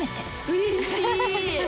うれしい。